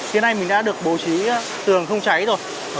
hiện nay mình đã được bố trí tường không cháy rồi